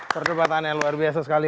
perdebatannya luar biasa sekali